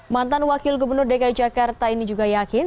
mantan wakil gubernur dki jakarta ini juga yakin